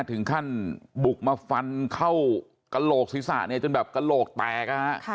ถึงขั้นบุกมาฟันเข้ากระโหลกศีรษะเนี่ยจนแบบกระโหลกแตกนะฮะ